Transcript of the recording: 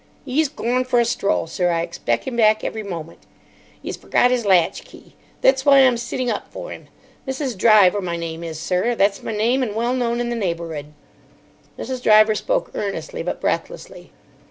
"'E's gorn for a stroll, sir. I expec' him back every moment. 'E's forgot 'is latchkey. Thet's why I'm sitting up for 'im. Mrs. Driver my name is, sir. That's my name, and well known in the neighbour'ood." Mrs. Driver spoke earnestly, but breathlessly.